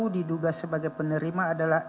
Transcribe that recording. diduga sebagai penerima adalah